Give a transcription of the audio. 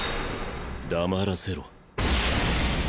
黙らせろ。